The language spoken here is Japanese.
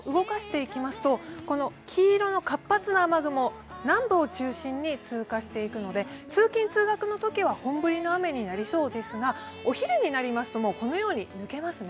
このあと、黄色の活発な雨雲、南部を中心に通過していくので、通勤・通学のときは本降りの雨になりそうですがお昼になりますとこのように抜けますね。